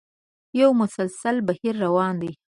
یو مسلسل بهیر دی.